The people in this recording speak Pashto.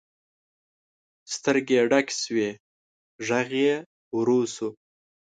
سترګې یې ډکې شوې، غږ یې ورو شو.